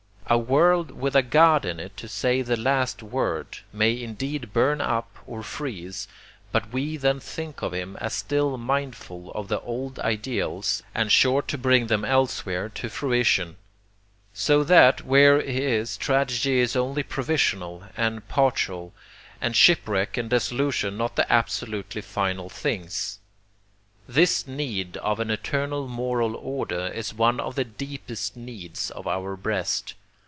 A world with a God in it to say the last word, may indeed burn up or freeze, but we then think of him as still mindful of the old ideals and sure to bring them elsewhere to fruition; so that, where he is, tragedy is only provisional and partial, and shipwreck and dissolution not the absolutely final things. This need of an eternal moral order is one of the deepest needs of our breast.